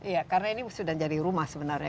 iya karena ini sudah jadi rumah sebenarnya